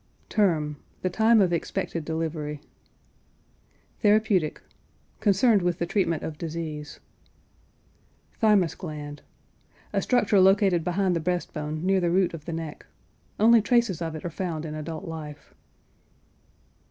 TERM. The time of expected delivery. THERAPEUTIC. Concerned with the treatment of disease. THYMUS GLAND. A structure located behind the breast bone near the root of the neck. Only traces of it are found in adult life.